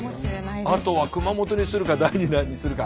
あとは熊本にするか第２弾にするか。